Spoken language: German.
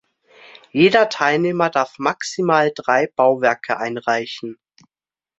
Jeder Teilnehmer darf maximal drei Bauwerke einreichen.